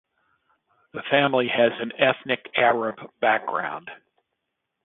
The family has an ethnic Arab background.